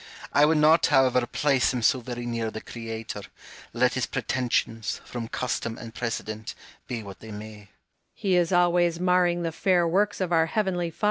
I would not, however, place him so very near the Creator, let his pretensions, from custom and precedent, be what they may.